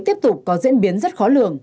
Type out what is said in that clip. tiếp tục có diễn biến rất khó lường